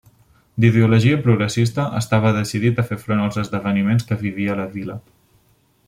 D'ideologia progressista, estava decidit a fer front als esdeveniments que vivia la vila.